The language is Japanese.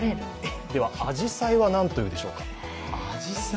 では、あじさいは何と言うでしょうか。